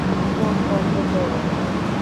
Phone বন্ধ কর।